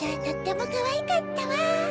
とってもかわいかったわ！